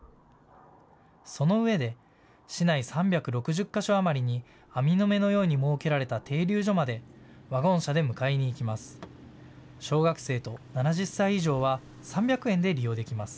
そのうえで市内３６０か所余りに網の目のように設けられた停留所までワゴン車で迎えに行きます。